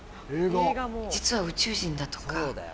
実は宇宙人だとか。